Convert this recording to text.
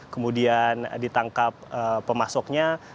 kemudian ditangkap pemasoknya